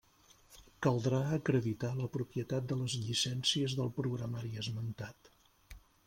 Caldrà acreditar la propietat de les llicències del programari esmentat.